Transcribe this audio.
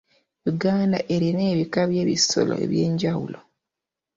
Uganda erina ebika by'ebisolo eby'enjawulo.